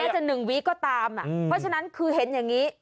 แม้จะหนึ่งวิก็ตามอ่ะเพราะฉะนั้นคือเห็นอย่างงี้